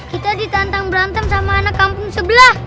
kita ditantang berantem sama anak kampung sebelah